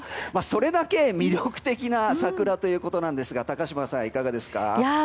それだけ魅力的な桜ということなんですが高島さん、いかがですか。